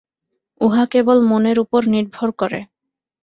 উহা কেবল মনের উপর নির্ভর করে।